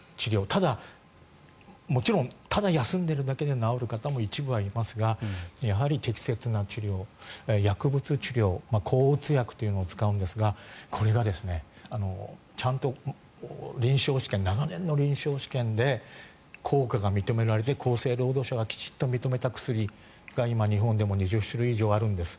ただ、もちろんただ休んでいるだけで治る方も一部はいますがやはり適切な治療薬物治療抗うつ薬というのを使うんですがこれが、ちゃんと臨床試験長年の臨床試験で効果が認められて厚生労働省がきちっと認めた薬が今、日本でも２０種類以上あるんです。